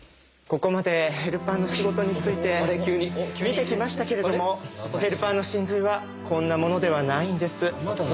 ここまでヘルパーの仕事について見てきましたけれどもヘルパーの神髄はこんなものではないんです。